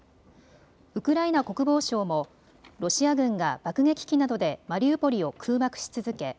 ウクライナ国防省もロシア軍が爆撃機などでマリウポリを空爆し続け